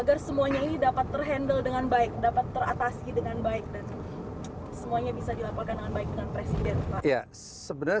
agar semuanya ini dapat terhandle dengan baik dapat teratasi dengan baik